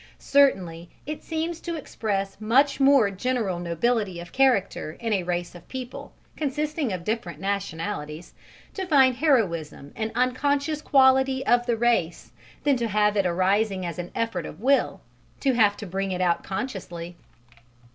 Certainly it seems to express much more general nobility of character in a race of people consisting of different nationalities to find heroism an unconscious quality of the race than to have it arising as an effort of will, to have to bring it out consciously.